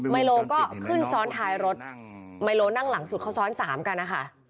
ไมโลก็ขึ้นซ้อนท้ายรถไมโลนั่งหลังสุดเขาซ้อน๓กันนะคะ